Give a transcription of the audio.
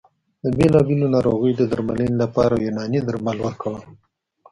د بېلابېلو ناروغیو د درملنې لپاره یوناني درمل ورکول